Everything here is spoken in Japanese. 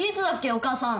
お母さん。